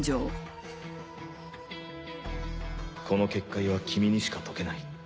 この結界は君にしか解けない。